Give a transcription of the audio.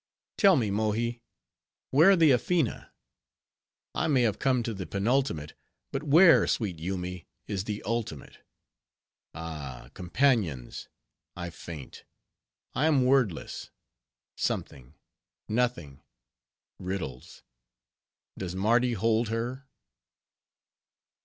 Tell me, Mohi, where the Ephina? I may have come to the Penultimate, but where, sweet Yoomy, is the Ultimate? Ah, companions! I faint, I am wordless: something, nothing, riddles,—does Mardi hold her?"